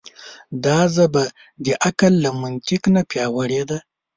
دا ژبه د عقل له منطق نه پیاوړې ده.